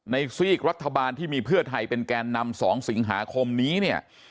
ซีกรัฐบาลที่มีเพื่อไทยเป็นแกนนำ๒สิงหาคมนี้เนี่ย